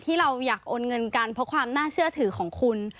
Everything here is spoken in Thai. ที่เราอยากโอนเงินกันเพราะความน่าเชื่อถือของคุณ